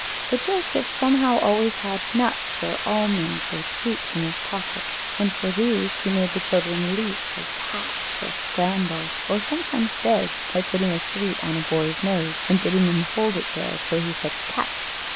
For Joseph somehow always had nuts or almonds or sweets in his pockets, and for these he made the children leap, or catch, or scramble, or sometimes beg, by putting a sweet on a boy's nose and bidding him hold it there, till he said "Catch!"